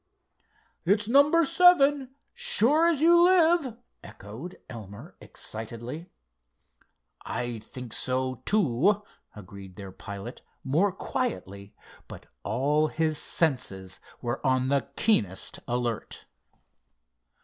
"It's number seven, sure as you live!" echoed Elmer, excitedly. "I think so, too," agreed their pilot more quietly, but all his senses were on the keenest alert.